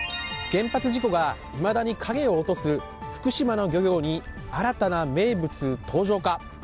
原発事故がいまだに影を落とす福島の漁業に新たな名物登場か。